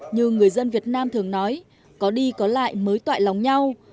như người dân việt nam thường nói có đi có lại mới toại lòng nhau